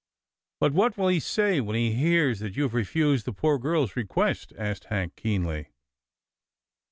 " But what will he say when he hears that you have refused the poor girl's request? " asked Hank, keenly.